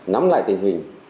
nắm lại tình hình